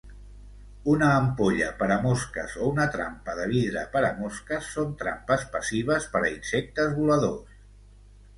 Una ampolla per a mosques o una trampa de vidre per a mosques són trampes passives per a insectes voladors.